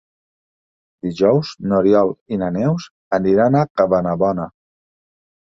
Dijous n'Oriol i na Neus aniran a Cabanabona.